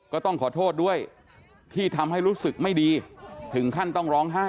ก็ต้องขอโทษด้วยที่ทำให้รู้สึกไม่ดีถึงขั้นต้องร้องไห้